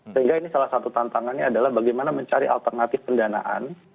sehingga ini salah satu tantangannya adalah bagaimana mencari alternatif pendanaan